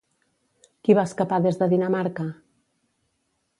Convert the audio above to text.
Qui va escapar des de Dinamarca?